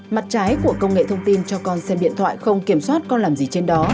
mặt trái của công nghệ thông tin cho con xem điện thoại không kiểm soát con làm gì trên đó